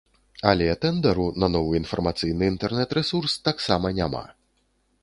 Але тэндару на новы інфармацыйны інтэрнэт-рэсурс таксама няма.